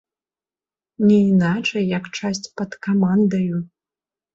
Не іначай як часць пад камандаю!